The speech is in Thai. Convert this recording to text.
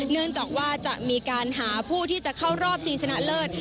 เนื่องจากว่าจะมีการหาผู้ที่จะเข้ารอบชิงชนะเลิศ